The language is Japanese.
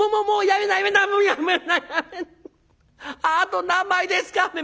あと何枚ですか？」。